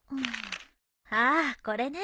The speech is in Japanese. ああっこれね。